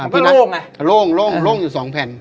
มันก็โล่ง